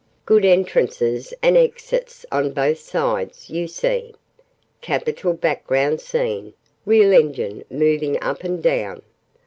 Good entrances and exits on both sides, you see. Capital background scene: real engine moving up and down.